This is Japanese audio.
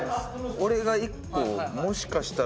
俺が１個もしかしたら。